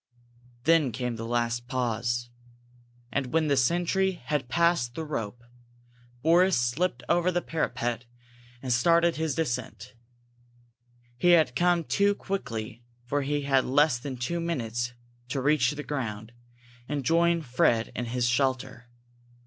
Then came the last pause. And when the sentry had passed the rope, Boris slipped over the parapet and started his descent. He had to come quickly for he had less than two minutes to reach the ground and join Fred in his shelter.